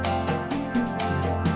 siapkan masas itu